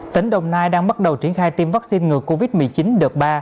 tỉnh đồng nai đang bắt đầu triển khai tiêm vaccine ngừa covid một mươi chín đợt ba